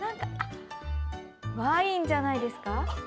ワインじゃないですか。